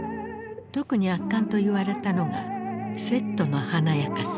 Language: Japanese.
特に圧巻と言われたのがセットの華やかさ。